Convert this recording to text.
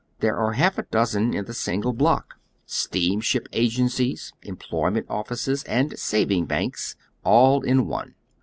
There are half a dozen in the single bloct, steamship agencies, employment of fices, and savings banks, all in one.